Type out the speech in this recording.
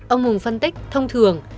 ông hùng phân tích thông thường